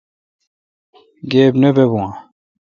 گیب نہ بہ بو اؘ۔